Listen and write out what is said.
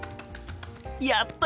やった！